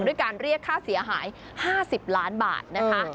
ด้วยการเรียกค่าเสียหาย๕๐ล้านบาทนะคะ